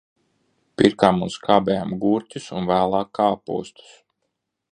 Pirkām un skābējām gurķus un vēlāk kāpostus.